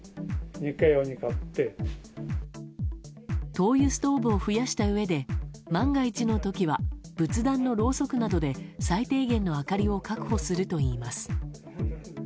灯油ストーブを増やしたうえで万が一の時は仏壇のろうそくなどで最低限の明かりを確保するといいます。